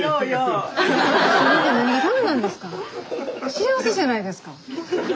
幸せじゃないですか。